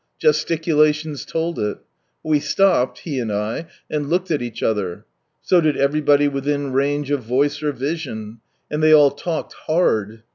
Gesticulations told it. We stopped, he and I, and looked at each other. So did everybody within range of voice or vision. And they all talked hard.